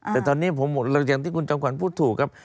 แต่ตอนนี้ผมอย่างที่คุณจอมขวัญพูดถูกครับ